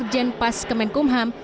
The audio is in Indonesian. dan presiden pas kemenkumham